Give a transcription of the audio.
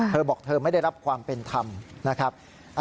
เธอบอกเธอไม่ได้รับความเป็นธรรมนะครับ